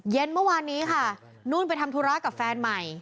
เย็นเมื่อวานนี้ค่ะนุ่นไปทำธุระกับแฟนใหม่